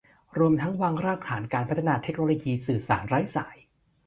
รวมทั้งวางรากฐานการพัฒนาเทคโนโลยีสื่อสารไร้สาย